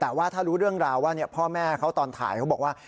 แต่ว่าถ้ารู้เรื่องราวว่าพ่อแม่เขาตอนถ่ายเขาบอกว่า